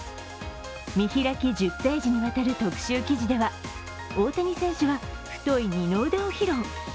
見開き１０ページにわたる特集記事では大谷選手は太い二の腕を披露。